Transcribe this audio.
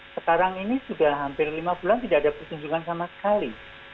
sekarang ini sudah hampir lima bulan tidak ada pertunjukan sama sekali